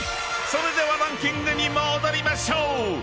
［それではランキングに戻りましょう］